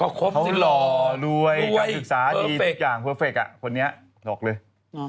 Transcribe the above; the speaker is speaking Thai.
เขาหล่อรวยการศึกษาดีทุกอย่างเพอร์เฟคคนนี้หลอกเลย